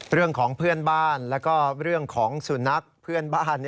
เรื่องของเพื่อนบ้านแล้วก็เรื่องของสุนัขเพื่อนบ้าน